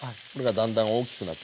だんだん大きくなってきます。